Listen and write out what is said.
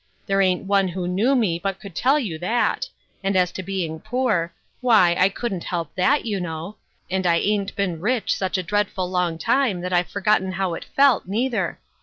There ain't one who knew me but could tell you that ; and, as to being poor, why, I couldn't help that, you know ; and I ain't been rich such a dreadful long time that I've for got how it felt, neither.